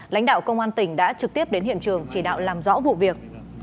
lãnh đạo công an tỉnh đã trực tiếp đến hiện trường chỉ đạo làm rõ vụ việc